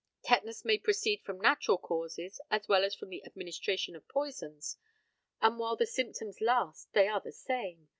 Tetanus may proceed from natural causes as well as from the administration of poisons, and while the symptoms last they are the same.